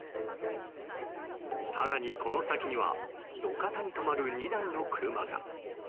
更にこの先には路肩に止まる２台の車が。